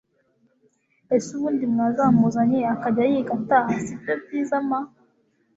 ese ubundi mwazamuzanye akajya yiga ataha sibyo byiza ma!